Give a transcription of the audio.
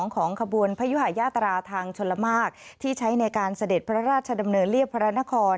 ของขบวนพยุหายาตราทางชนละมากที่ใช้ในการเสด็จพระราชดำเนินเรียบพระนคร